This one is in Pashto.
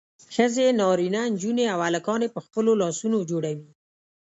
ښځې نارینه نجونې او هلکان یې په خپلو لاسونو جوړوي.